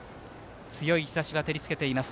強い日ざしが照り付けています。